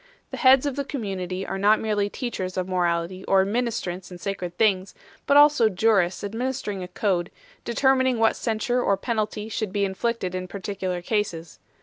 The heads of the community are not merely teachers of morality or minis trants in sacred things, but also jurists administering a code 1 , determining what censure or penalty should be inflicted in particular cases.